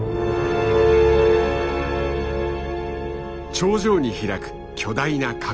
頂上に開く巨大な火口。